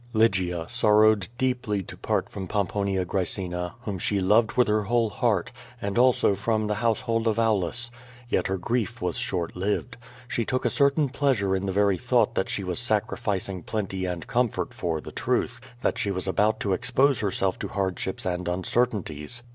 Lygia sorrowed deeply to part from Pomponia Qraecina, whom she loved with her whole heart, and also from the household of Aulus. Yet her grief was short lived. She took a certain pleasure in the very thought that she was sacrificing plenty and comfort for the Truth; that she was about to expose herself to hardships and uncertainties.